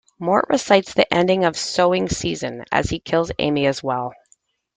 Mort recites the ending of "Sowing Season" as he kills Amy as well.